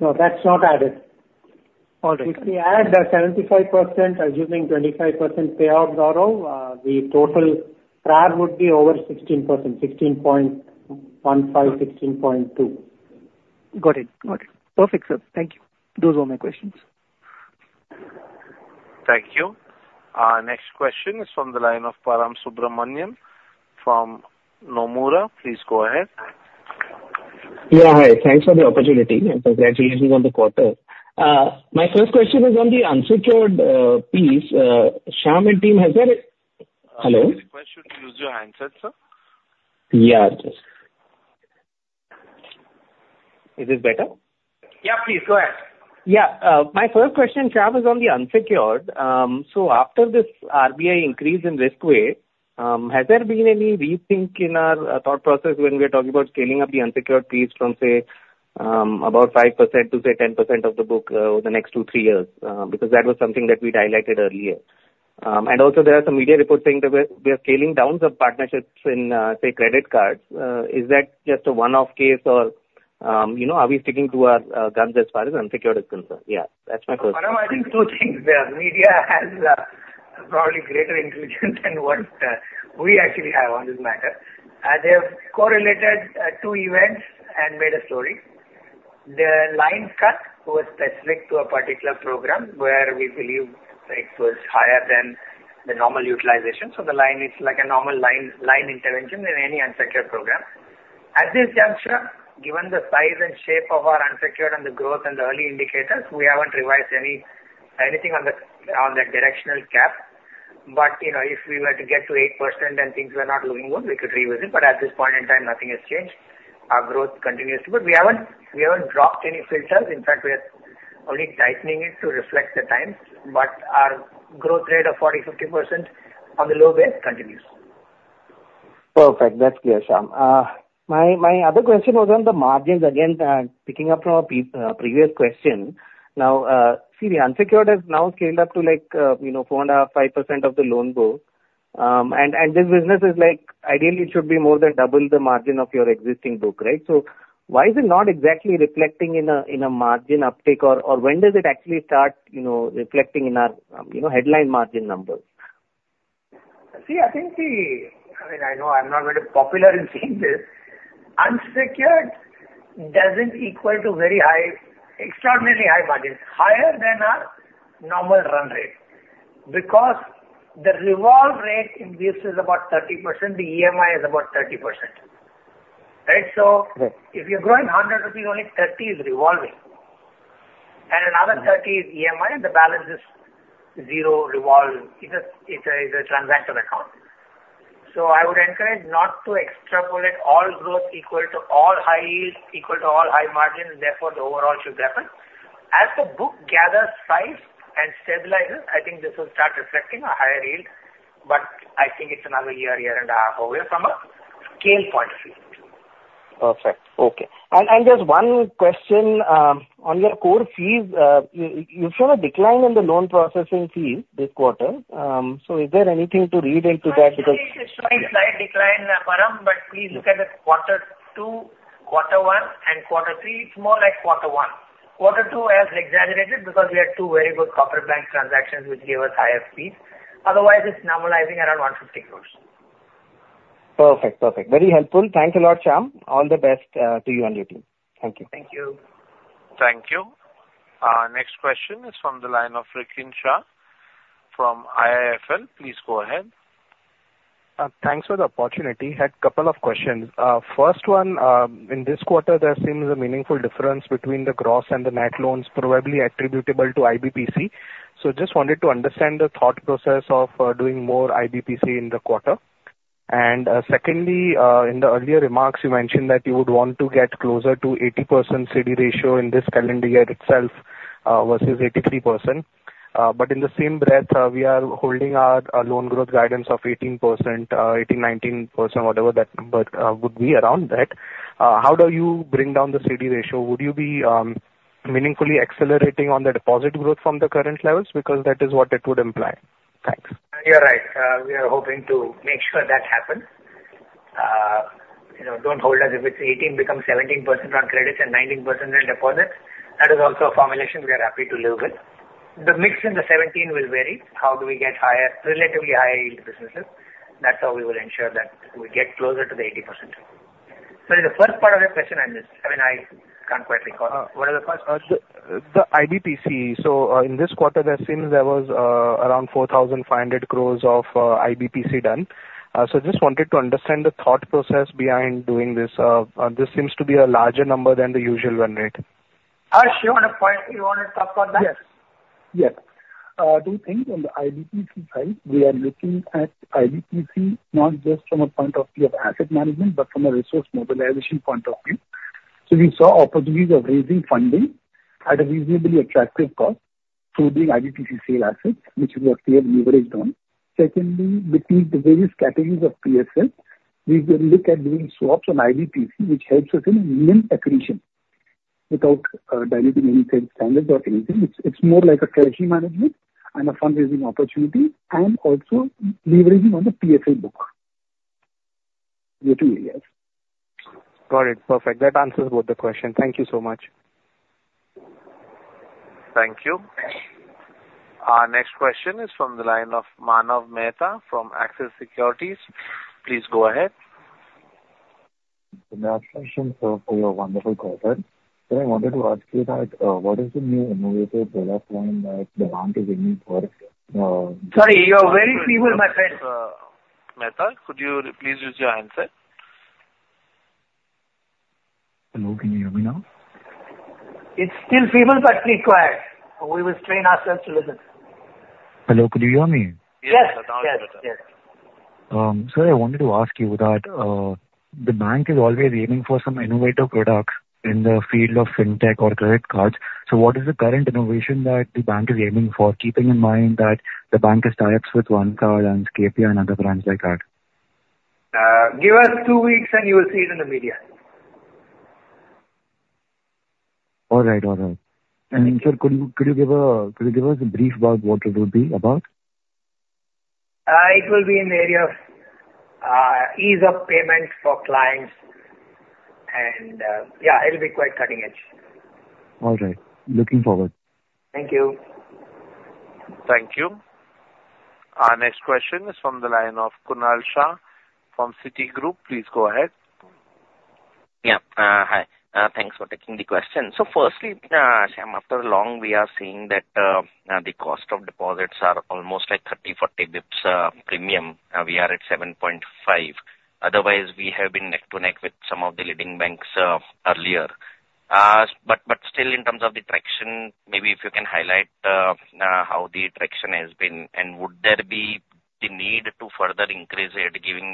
that's not added.
All right.
If we add the 75%, assuming 25% payout ratio, the total CRAR would be over 16%, 16.15%, 16.2%.
Got it. Perfect, sir. Thank you. Those were my questions.
Thank you. Our next question is from the line of Param Subramanian from Nomura. Please go ahead.
Yeah, hi. Thanks for the opportunity, and congratulations on the quarter. My first question is on the unsecured piece. Shyam and team, has there... Hello?
Please use your handset, sir.
Yeah, just... Is this better?
Yeah, please go ahead.
Yeah. My first question, Shyam, is on the unsecured. So after this RBI increase in risk weight, has there been any rethink in our thought process when we are talking about scaling up the unsecured piece from, say, about 5% to, say, 10% of the book, over the next two, three years? Because that was something that we highlighted earlier. And also there are some media reports saying that we're, we are scaling down the partnerships in, say, credit cards. Is that just a one-off case or, you know, are we sticking to our guns as far as unsecured is concerned? Yeah, that's my first.
Param, I think two things. The media has, probably greater intuition than what, we actually have on this matter. They have correlated, two events and made a story. The line cut was specific to a particular program where we believe it was higher than the normal utilization. So the line is like a normal line, line intervention in any unsecured program. At this juncture, given the size and shape of our unsecured and the growth and the early indicators, we haven't revised anything on the, on the directional cap. But, you know, if we were to get to 8% and things were not moving well, we could revisit, but at this point in time, nothing has changed. Our growth continues to but we haven't dropped any filters. In fact, we are only tightening it to reflect the times, but our growth rate of 40% to 50% on the low base continues.
Perfect. That's clear, Shyam. My other question was on the margins again, picking up from our previous question. Now, see, the unsecured has now scaled up to like, you know, 4.5% to 5% of the loan book. And this business is like, ideally it should be more than double the margin of your existing book, right? So why is it not exactly reflecting in a margin uptick, or when does it actually start, you know, reflecting in our, you know, headline margin numbers?
See, I know I'm not very popular in saying this: unsecured doesn't equal to very high, extraordinarily high margins, higher than our normal run rate, because the revolve rate in this is about 30%, the EMI is about 30%, right?
Right.
So if you're growing 100 rupees, only 30 is revolving, and another 30 is EMI, the balance is zero revolve. It's a transaction account. So I would encourage not to extrapolate all growth equal to all high yields, equal to all high margins, and therefore, the overall should happen. As the book gathers size and stabilizes, I think this will start reflecting a higher yield, but I think it's another year, year and a half away from a scale point of view.
Perfect. Okay. And just one question on your core fees. You show a decline in the loan processing fees this quarter. So, is there anything to read into that?
It's showing slight decline, Param, but please look at the quarter two, quarter one, and quarter three. It's more like quarter one. Quarter two has exaggerated because we had two very good corporate bank transactions, which gave us higher fees. Otherwise, it's normalizing around 150 crore.
Perfect. Very helpful. Thanks a lot, Shyam. All the best to you and your team. Thank you.
Thank you.
Thank you. Next question is from the line of Rikin Shah from IIFL. Please go ahead.
Thanks for the opportunity. Had a couple of questions. First one, in this quarter, there seems a meaningful difference between the gross and the net loans, probably attributable to IBPC. So just wanted to understand the thought process of doing more IBPC in the quarter. And secondly, in the earlier remarks, you mentioned that you would want to get closer to 80% CD ratio in this calendar year itself, versus 83%. But in the same breath, we are holding our loan growth guidance of 18% to 19%, whatever that would be around that. How do you bring down the CD ratio? Would you be meaningfully accelerating on the deposit growth from the current levels? Because that is what it would imply. Thanks.
You're right. We are hoping to make sure that happens. You know, don't hold us. If it's 18% becomes 17% on credits and 19% on deposits, that is also a formulation we are happy to live with. The mix in the 17% will vary. How do we get higher, relatively higher yield businesses? That's how we will ensure that we get closer to the 80%. The first part of your question I missed. I mean, I can't quite recall. What is the first?
The IBPC. So, in this quarter, there seems there was around 4,500 crore of IBPC done. So just wanted to understand the thought process behind doing this. This seems to be a larger number than the usual one, right?
Harsh, you want to point, you want to talk about that?
Yes. Two things on the IBPC side, we are looking at IBPC not just from a point of view of asset management, but from a resource mobilization point of view. So we saw opportunities of raising funding at a reasonably attractive cost through the IBPC sale assets, which we have clearly leveraged on. Secondly, between the various categories of PSA, we will look at doing swaps on IBPC, which helps us in yield accretion without diluting any standards or anything. It's more like a treasury management and a fundraising opportunity, and also leveraging on the PSA book. The two areas.
Got it. Perfect. That answers both the questions. Thank you so much.
Thank you. Our next question is from the line of Manav Mehta from Axis Securities. Please go ahead.
Good afternoon, sir, for your wonderful call today. So I wanted to ask you that, what is the new innovative product line that the bank is aiming for?
Sorry, you are very feeble, my friend.
Mehta, could you please use your handset?
Hello, can you hear me now?
It's still feeble, but clear. We will strain ourselves to listen.
Hello, could you hear me?
Yes.
Sir, I wanted to ask you that the bank is always aiming for some innovative products in the field of fintech or credit cards. So what is the current innovation that the bank is aiming for, keeping in mind that the bank has tie-ups with OneCard and Scapia and other brands like that?
Give us two weeks, and you will see it in the media.
All right. And sir, could you give us a brief about what it would be about?
It will be in the area of ease of payment for clients and, yeah, it'll be quite cutting edge.
All right. Looking forward.
Thank you.
Thank you. Our next question is from the line of Kunal Shah from Citigroup. Please go ahead.
Yeah. Hi. Thanks for taking the question. So firstly, Shyam, after long, we are seeing that, the cost of deposits are almost like 30 to 40 basis points, premium. We are at 7.5%. Otherwise, we have been neck and neck with some of the leading banks, earlier. But still in terms of the traction, maybe if you can highlight, how the traction has been, and would there be the need to further increase it, given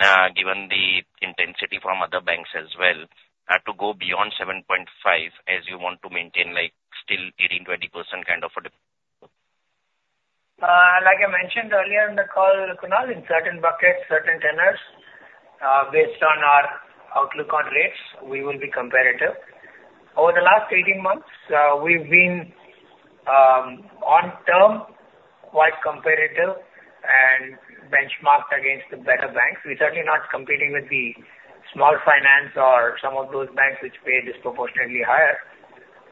the intensity from other banks as well, to go beyond 7.5%, as you want to maintain, like still 18% to 20% kind of a deposit growth?
Like I mentioned earlier in the call, Kunal, in certain buckets, certain tenors, based on our outlook on rates, we will be competitive. Over the last 18 months, we've been on term, quite competitive and benchmarked against the better banks. We're certainly not competing with the small finance or some of those banks which pay disproportionately higher.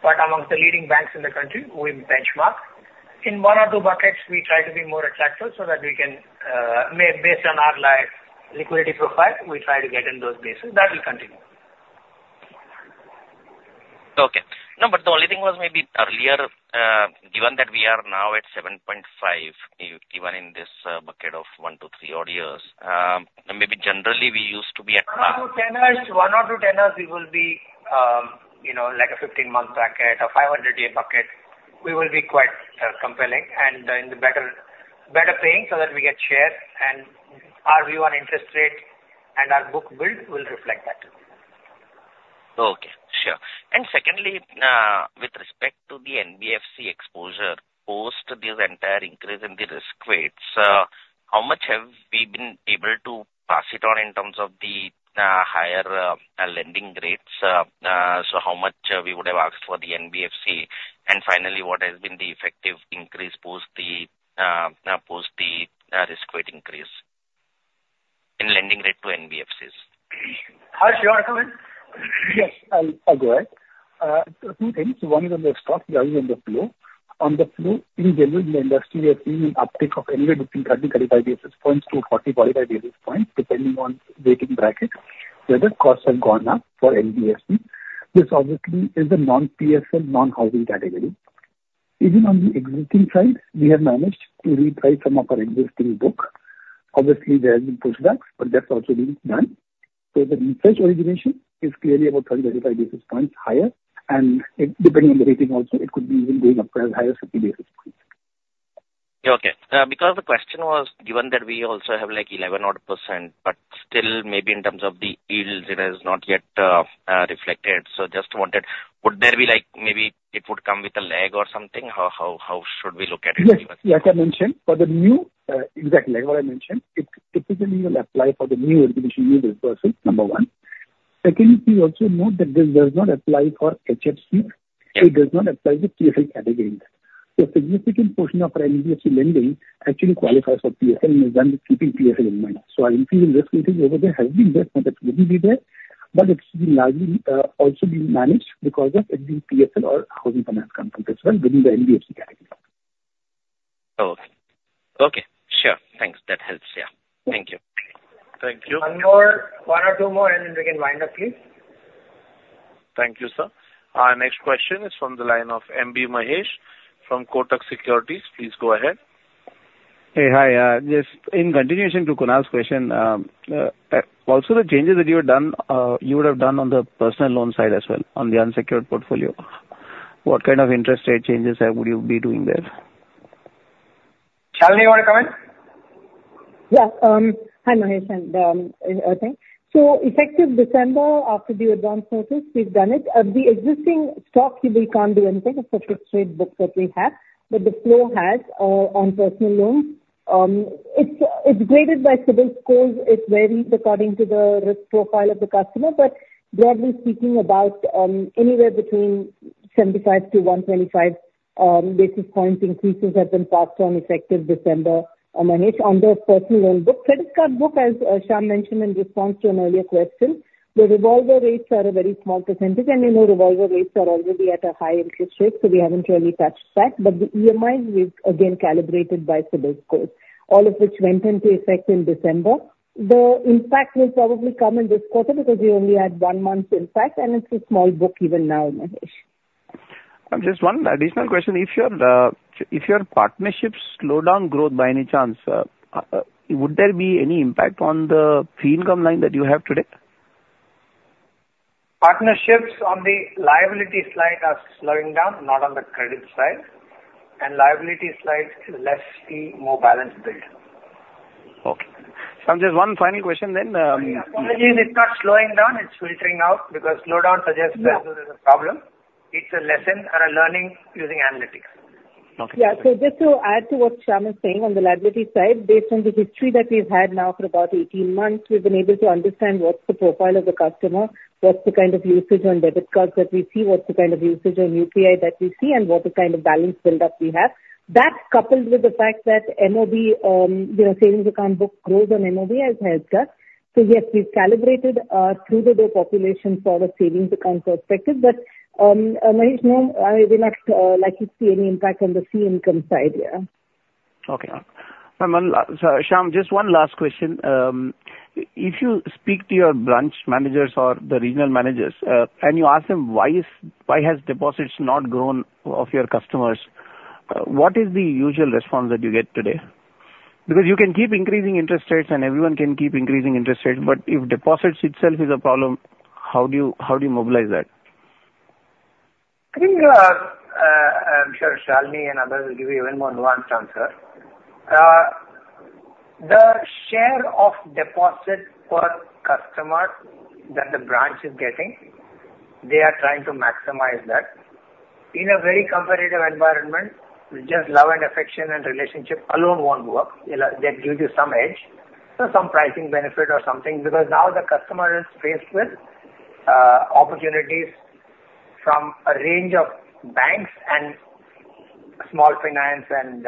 But amongst the leading banks in the country, we benchmark. In one or two buckets, we try to be more attractive so that we can make based on our like, liquidity profile, we try to get in those places. That will continue.
Okay. No, but the only thing was maybe earlier, given that we are now at 7.5%, given in this bucket of one to three odd years, maybe generally we used to be at-
One or two tenors, one or two tenors, we will be, you know, like a 15-month bracket or 500-day bucket, we will be quite compelling and in the better, better paying so that we get share, and our view on interest rate and our book build will reflect that.
Okay. Sure. And secondly, with respect to the NBFC exposure, post this entire increase in the risk weights, how much have we been able to pass it on in terms of the higher lending rates? So how much we would have asked for the NBFC? And finally, what has been the effective increase post the risk weight increase in lending rate to NBFCs?
Harsh, you want to come in?
Yes, I'll go ahead. Two things. One is on the stock, the other is on the flow. On the flow, in general, in the industry, we are seeing an uptick of anywhere between 30 to 35 basis points to 40 to 45 basis points, depending on rating bracket, where the costs have gone up for NBFC. This obviously is a non-PSF, non-housing category. Even on the existing side, we have managed to reprice some of our existing book. Obviously, there have been pushbacks, but that's also being done. So the fresh origination is clearly about 30 to 35 basis points higher, and it, depending on the rating also, it could be even going up to as high as 50 basis points.
Okay. Because the question was, given that we also have, like, 11-odd percent, but still maybe in terms of the yields, it has not yet reflected. Would there be, like, maybe it would come with a lag or something? How should we look at it?
Yes, like I mentioned, for the new, exactly, like what I mentioned, it typically will apply for the new origination, new dispersal, number one. Secondly, please also note that this does not apply for HFC. It does not apply to PSL category. A significant portion of our NBFC lending actually qualifies for PSL and is done keeping PSL in mind. So I think the risk rating over there has been less, but it will be there, but it's been largely, also being managed because of it being PSL or housing finance companies as well within the NBFC category.
Okay. Thanks, that helps. Yeah. Thank you.
Thank you.
One more, one or two more, and we can wind up, please.
Thank you, sir. Our next question is from the line of M.B. Mahesh from Kotak Securities. Please go ahead.
Hey. Hi, just in continuation to Kunal's question, also the changes that you have done, you would have done on the personal loan side as well, on the unsecured portfolio, what kind of interest rate changes have would you be doing there?
Shalini, you want to come in?
Yeah. Hi, Mahesh, and I think so effective December after the advance notice, we've done it. The existing stock, we can't do anything. It's a fixed rate book that we have. But the flow has on personal loans, it's graded by CIBIL scores. It varies according to the risk profile of the customer. But broadly speaking, about anywhere between 75 to 125 basis point increases have been passed on effective December on the under personal loan book. Credit card book, as Shyam mentioned in response to an earlier question, the revolver rates are a very small percentage, and you know, revolver rates are already at a high interest rate, so we haven't really touched that. But the EMIs is again calibrated by CIBIL scores, all of which went into effect in December. The impact will probably come in this quarter because we only had one month's impact, and it's a small book even now, Mahesh.
Just one additional question: If your partnerships slow down growth by any chance, would there be any impact on the fee income line that you have today?
Partnerships on the liability side are slowing down, not on the credit side, and liability side is less fee, more balance build.
Okay. Just one final question then,
Apologies, it's not slowing down, it's filtering out, because slowdown suggests that there's a problem. It's a lesson and a learning using analytics.
Okay.
Yeah. So just to add to what Shyam is saying, on the liability side, based on the history that we've had now for about 18 months, we've been able to understand what's the profile of the customer, what's the kind of usage on debit cards that we see, what's the kind of usage on UPI that we see, and what the kind of balance build-up we have. That, coupled with the fact that MOB, you know, savings account book grows on MOB has helped us. So yes, we've calibrated through-the-door population for the savings account perspective, but, Mahesh, no, I will not likely to see any impact on the fee income side. Yeah.
Okay. Shyam, just one last question. If you speak to your branch managers or the regional managers, and you ask them, "Why is, why has deposits not grown of your customers?" What is the usual response that you get today? Because you can keep increasing interest rates, and everyone can keep increasing interest rates, but if deposits itself is a problem, how do you, how do you mobilize that?
I think, I'm sure Shalini and others will give you even more nuanced answer. The share of deposit per customer that the branch is getting, they are trying to maximize that. In a very competitive environment, just love and affection and relationship alone won't work. You know, that gives you some edge, so some pricing benefit or something, because now the customer is faced with opportunities from a range of banks and small finance and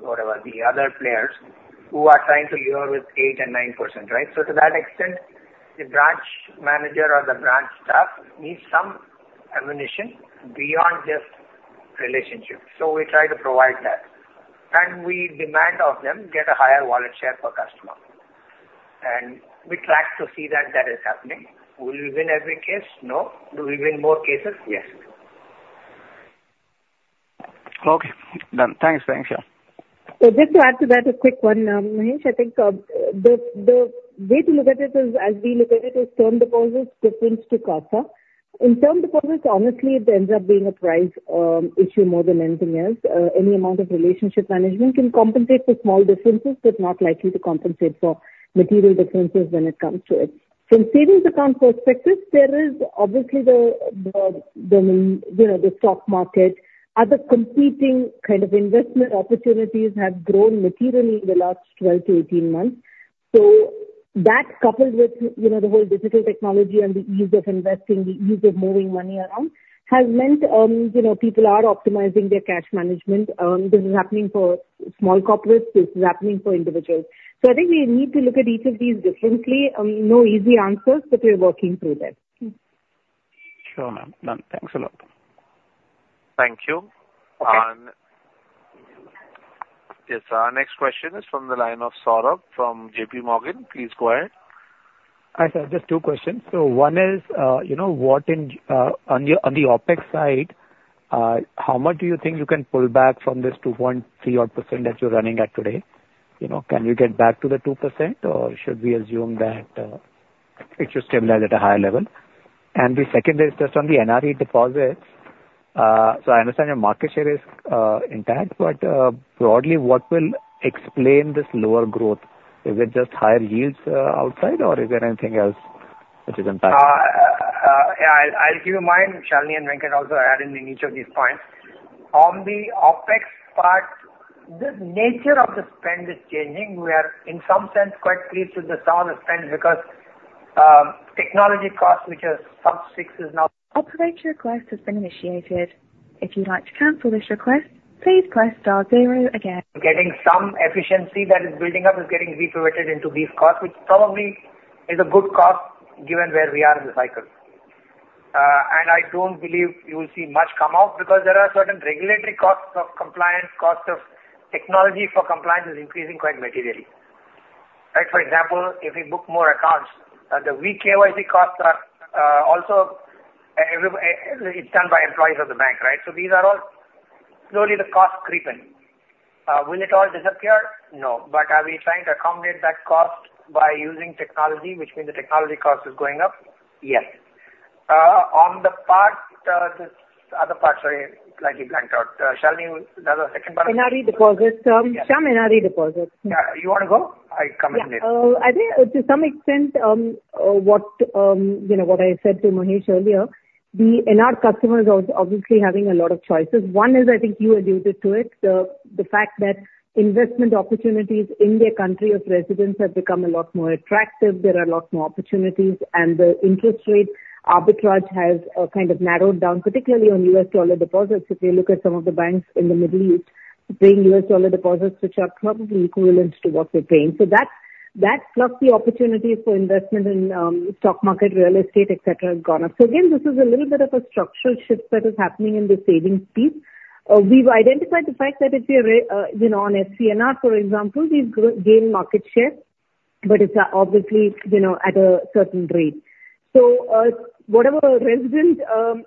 whatever the other players who are trying to lure with 8% and 9%, right? So to that extent, the branch manager or the branch staff needs some ammunition beyond just relationship. So we try to provide that, and we demand of them get a higher wallet share per customer. And we track to see that that is happening. Will we win every case? No. Do we win more cases? Yes.
Okay. Done. Thanks.
So just to add to that, a quick one, Mahesh, I think, the way to look at it is, as we look at it, is term deposits difference to CASA. In term deposits, honestly, it ends up being a price issue more than anything else. Any amount of relationship management can compensate for small differences, but not likely to compensate for material differences when it comes to it. From savings account perspective, there is obviously, you know, the stock market. Other competing kind of investment opportunities have grown materially in the last 12-18 months. So that, coupled with, you know, the whole digital technology and the ease of investing, the ease of moving money around, has meant, you know, people are optimizing their cash management. This is happening for small corporates, this is happening for individuals. I think we need to look at each of these differently. No easy answers, but we're working through this.
Sure, ma'am. Done. Thanks a lot.
Thank you. Yes, our next question is from the line of Saurabh from J.P. Morgan. Please go ahead.
Hi, sir, just two questions. So one is, you know, what in, on your, on the OpEx side, how much do you think you can pull back from this 2.3 odd percent that you're running at today? You know, can you get back to the 2%, or should we assume that it should stabilize at a higher level? And the second is just on the NRE deposits. So I understand your market share is intact, but broadly, what will explain this lower growth? Is it just higher yields outside, or is there anything else that is impact?
Yeah, I'll give you mine. Shalini and Venkat can also add in each of these points. On the OpEx part, the nature of the spend is changing. We are, in some sense, quite pleased with the size of spend because technology costs, which are sub six, is now-
Operator, your request has been initiated. If you'd like to cancel this request, please press star zero again. Getting some efficiency that is building up is getting reprioritized into these costs, which probably is a good cost, given where we are in the cycle. And I don't believe you will see much come out because there are certain regulatory costs of compliance, cost of technology for compliance is increasing quite materially. Like, for example, if we book more accounts, the VKYC costs are also every, it's done by employees of the bank, right? So these are all slowly the cost creeping. Will it all disappear? No. But are we trying to accommodate that cost by using technology, which means the technology cost is going up? Yes. On the part, this other part, sorry, slightly blanked out. Shalini, the second part?
NR deposits, some NR deposits.
Yeah, you wanna go? I come in later.
Yeah. I think to some extent, what you know, what I said to Mahesh earlier, the NR customers are obviously having a lot of choices. One is I think you alluded to it, the fact that investment opportunities in their country of residence have become a lot more attractive. There are a lot more opportunities, and the interest rate arbitrage has kind of narrowed down, particularly on US dollar deposits. If you look at some of the banks in the Middle East, paying US dollar deposits, which are probably equivalent to what we're paying. So that plus the opportunities for investment in stock market, real estate, et cetera, has gone up. So again, this is a little bit of a structural shift that is happening in the savings piece. We've identified the fact that if we are, you know, on FCNR, for example, we've gained market share, but it's obviously, you know, at a certain rate. So, whatever resident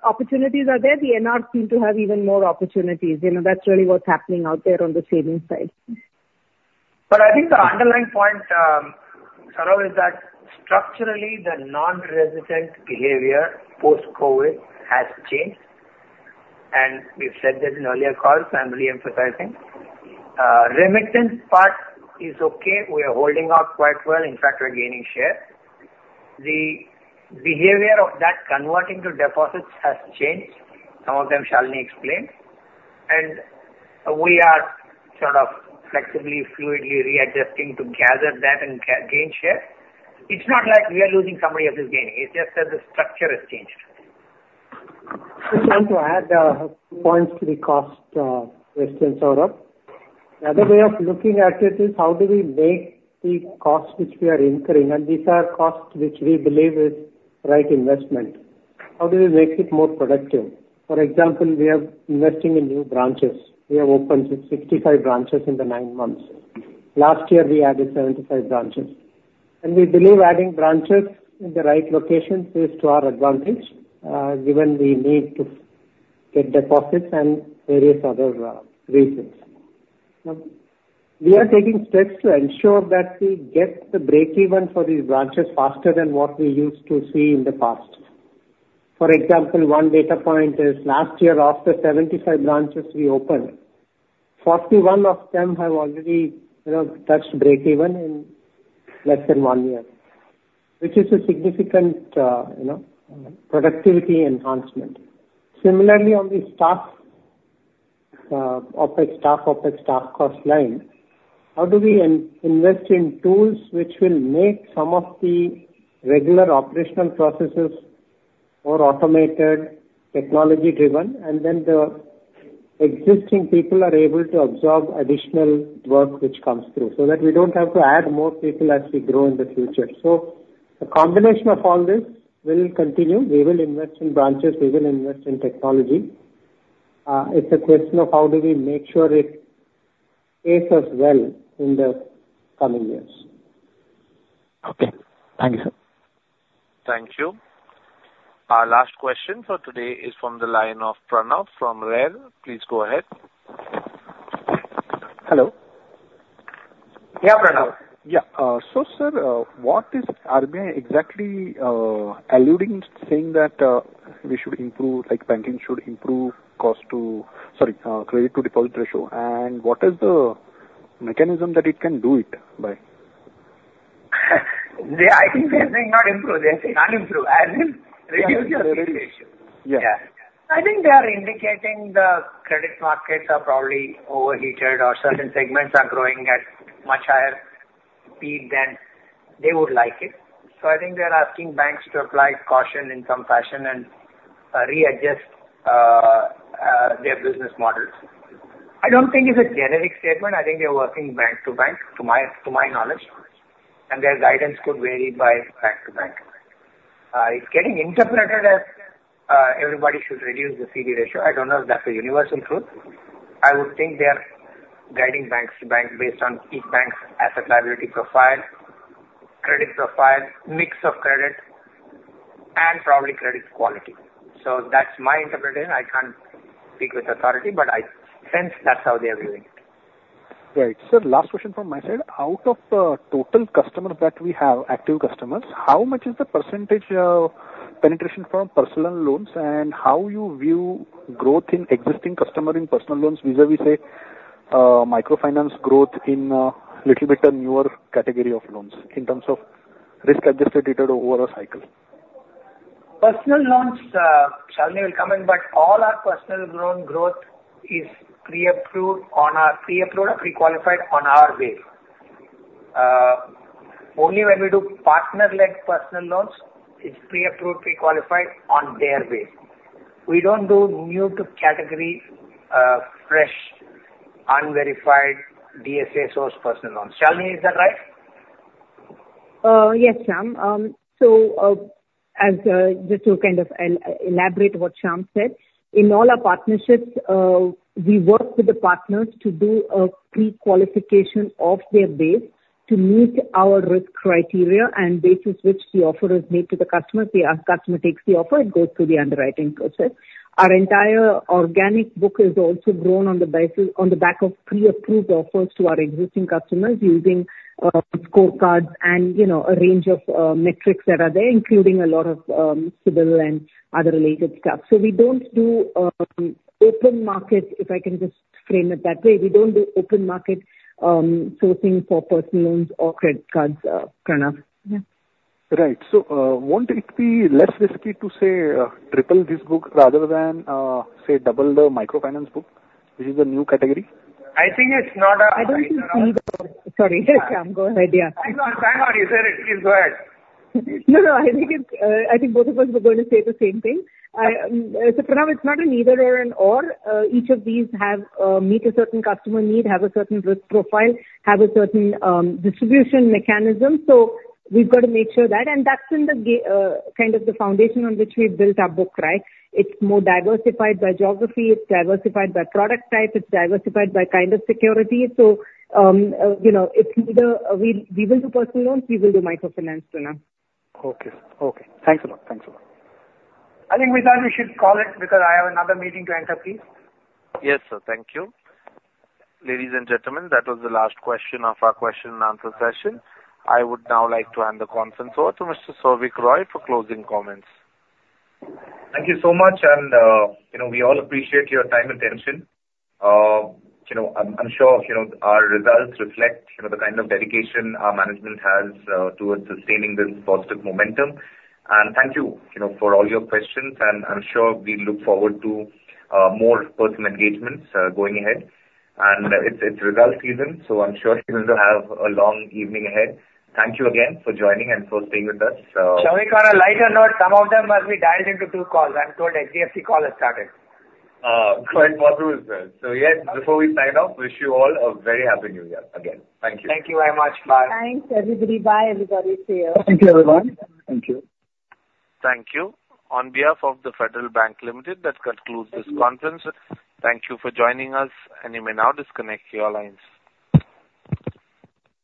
opportunities are there, the NR seem to have even more opportunities. You know, that's really what's happening out there on the savings side.
But I think the underlying point, Saurabh, is that structurally, the non-resident behavior post-COVID has changed, and we've said that in earlier calls, so I'm really emphasizing. Remittance part is okay. We are holding up quite well. In fact, we're gaining share. The behavior of that converting to deposits has changed. Some of them Shalini explained, and we are sort of flexibly, fluidly readjusting to gather that and gain share. It's not like we are losing, somebody else is gaining. It's just that the structure has changed.
Just want to add points to the cost question, Saurabh. Another way of looking at it is how do we make the cost which we are incurring, and these are costs which we believe is right investment. How do we make it more productive? For example, we are investing in new branches. We have opened 65 branches in the nine months. Last year, we added 75 branches, and we believe adding branches in the right locations is to our advantage, given we need to get deposits and various other reasons. Now, we are taking steps to ensure that we get the break even for these branches faster than what we used to see in the past. For example, one data point is last year, of the 75 branches we opened, 41 of them have already, you know, touched break even in less than one year, which is a significant, you know, productivity enhancement. Similarly, on the staff, OpEx, staff OpEx, staff cost line, how do we invest in tools which will make some of the regular operational processes more automated, technology driven, and then the existing people are able to absorb additional work which comes through, so that we don't have to add more people as we grow in the future. So the combination of all this will continue. We will invest in branches, we will invest in technology. It's a question of how do we make sure it pays us well in the coming years.
Okay. Thank you, sir.
Thank you. Our last question for today is from the line of Pranav from Rare. Please go ahead.
Hello.
Yeah, Pranav.
Yeah. So, sir, what is RBI exactly alluding to saying that we should improve, like, banking should improve credit to default ratio, and what is the mechanism that it can do it by?
Yeah, I think they are saying not improve. They're saying not improve, as in reduce your CD ratio.
Yeah.
Yeah. I think they are indicating the credit markets are probably overheated or certain segments are growing at much higher speed than they would like it. So I think they are asking banks to apply caution in some fashion and readjust their business models. I don't think it's a generic statement. I think they're working bank to bank, to my, to my knowledge, and their guidance could vary by bank to bank. It's getting interpreted as everybody should reduce the CD ratio. I don't know if that's a universal truth. I would think they are guiding banks to bank based on each bank's asset liability profile, credit profile, mix of credit, and probably credit quality. So that's my interpretation. I can't speak with authority, but I sense that's how they are viewing it.
Right. Sir, last question from my side. Out of the total customers that we have, active customers, how much is the percentage, penetration from personal loans, and how you view growth in existing customer in personal loans vis-a-vis, say, microfinance growth in, little bit a newer category of loans in terms of risk-adjusted return over a cycle?
Personal loans, Shalini will comment, but all our personal loan growth is pre-approved on our pre-approved or pre-qualified on our way. Only when we do partner-led personal loans, it's pre-approved, pre-qualified on their way. We don't do new to category, fresh, unverified DSA source personal loans. Shalini, is that right?
Yes, Shyam. So, as just to kind of elaborate what Shyam said, in all our partnerships, we work with the partners to do a pre-qualification of their base to meet our risk criteria, and basis which the offer is made to the customer. If the customer takes the offer, it goes through the underwriting process. Our entire organic book is also grown on the basis, on the back of pre-approved offers to our existing customers using scorecards and, you know, a range of metrics that are there, including a lot of CIBIL and other related stuff. So we don't do open market, if I can just frame it that way. We don't do open market sourcing for personal loans or credit cards, Pranav. Yeah.
Right. So, won't it be less risky to say, triple this book rather than, say, double the microfinance book? This is a new category.
I think it's not a-
I don't think either. Sorry, Shyam, go ahead, yeah.
No, no, you said it. Please go ahead.
No, I think both of us were going to say the same thing. So Pranav, it's not an either or an or. Each of these have meet a certain customer need, have a certain risk profile, have a certain distribution mechanism. So we've got to make sure that, and that's in the kind of the foundation on which we've built our book, right? It's more diversified by geography, it's diversified by product type, it's diversified by kind of security. So, you know, it's neither, we will do personal loans, we will do microfinance, Pranav.
Okay. Thanks a lot.
I think, Vishal, we should call it because I have another meeting to enter, please.
Yes, sir. Thank you. Ladies and gentlemen, that was the last question of our question and answer session. I would now like to hand the conference over to Mr. Souvik Roy for closing comments.
Thank you so much, and, you know, we all appreciate your time and attention. You know, I'm sure you know, our results reflect, you know, the kind of dedication our management has towards sustaining this positive momentum. And thank you, you know, for all your questions, and I'm sure we look forward to more personal engagements going ahead. It's result season, so I'm sure you're going to have a long evening ahead. Thank you again for joining and for staying with us, so-
Souvik, on a lighter note, some of them must be dialed into two calls. I'm told HDFC call has started.
Quite possible as well. Yes, before we sign off, wish you all a very happy new year again. Thank you.
Thank you very much. Bye.
Thanks, everybody. Bye, everybody. See you.
Thank you, everyone.
Thank you. On behalf of the Federal Bank Limited, that concludes this conference. Thank you for joining us, and you may now disconnect your lines.